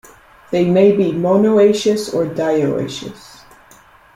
They may be monoecious or dioecious.